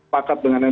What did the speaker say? pakat dengan yang